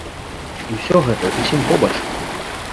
І ўсё гэта зусім побач.